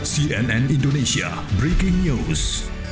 cnn indonesia breaking news